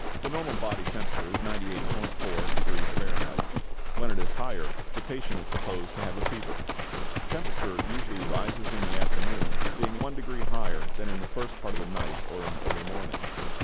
= The normal body temperature is 98.4 degrees Fahrenheit. When it is higher, the patient is supposed to have a fever. Temperature usually rises in the afternoon, being one degree higher than in the first part of the night or in the early morning.